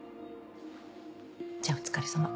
じゃあお疲れさま。